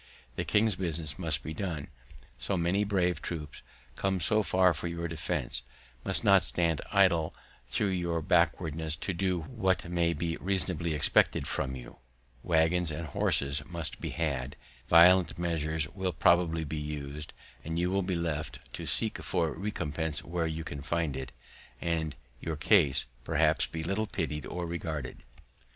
The king's business must be done; so many brave troops, come so far for your defense, must not stand idle through your backwardness to do what may be reasonably expected from you; waggons and horses must be had; violent measures will probably be used, and you will be left to seek for a recompense where you can find it, and your case, perhaps, be little pitied or regarded.